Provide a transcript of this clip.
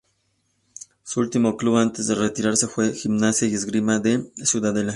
Su último club antes de retirarse fue Gimnasia y Esgrima de Ciudadela.